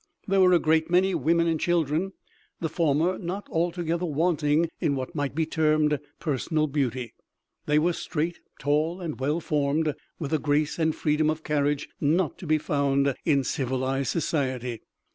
There were a great many women and children, the former not altogether wanting in what might be termed personal beauty. They were straight, tall, and well formed, with a grace and freedom of carriage not to be found in civilized society.